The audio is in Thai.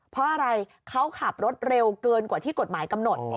เพราะอะไรเขาขับรถเร็วเกินกว่าที่กฎหมายกำหนด